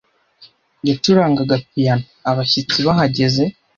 Yacurangaga piyano abashyitsi bahageze.